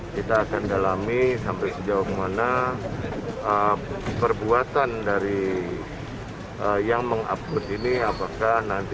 kita akan mendalami sampai sejauh kemana perbuatan dari yang mengupgrade ini apakah nanti bisa masuk atau tidak ke undang undang itu